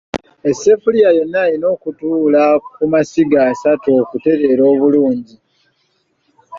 Essefuliya yonna erina okutuula ku masiga asatu okutereera obulungi.